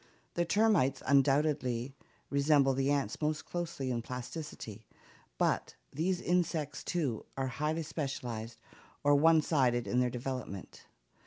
The termites undoubtedly resemble the ants most closely in plasticity, but ... these insects, too, are highly specialized, or one 258 ORGANIC EVOLUTION sided in their development.